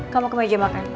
kamu ke meja makan